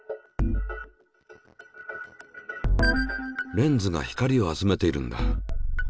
レンズが光を集めているんだ。